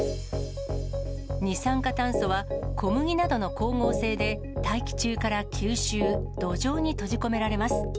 二酸化炭素は小麦などの光合成で大気中から吸収、土壌に閉じ込められます。